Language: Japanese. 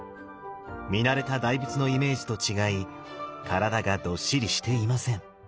見慣れた大仏のイメージと違い体がどっしりしていません。